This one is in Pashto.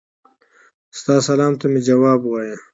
ستا سلام ته مي ځواب ووایه.